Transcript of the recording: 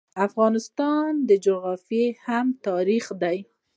د افغانستان جغرافیه هم تاریخي ده.